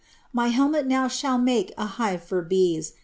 My helmel now shall make a hive for bcej.